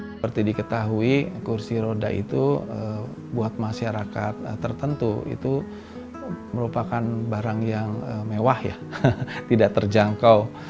seperti diketahui kursi roda itu buat masyarakat tertentu itu merupakan barang yang mewah ya tidak terjangkau